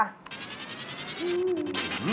อื้อหือ